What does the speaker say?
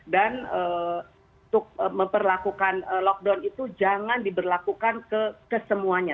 dan untuk memperlakukan lockdown itu jangan diberlakukan ke kesemuanya